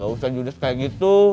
gak usah judis kayak gitu